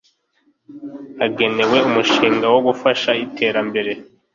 agenewe umushinga wo gufasha iterambere